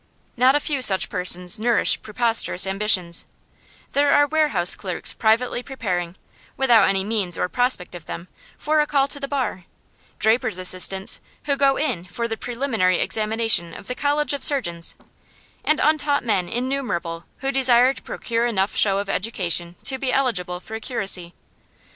Not a few such persons nourish preposterous ambitions; there are warehouse clerks privately preparing (without any means or prospect of them) for a call to the Bar, drapers' assistants who 'go in' for the preliminary examination of the College of Surgeons, and untaught men innumerable who desire to procure enough show of education to be eligible for a curacy.